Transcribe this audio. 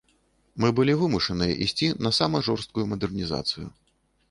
Мы былі вымушаныя ісці на сама жорсткую мадэрнізацыю.